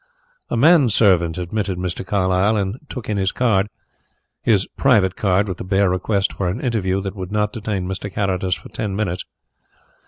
A man servant admitted Mr. Carlyle and took his card his private card, with the bare request for an interview that would not detain Mr. Carrados for ten minutes.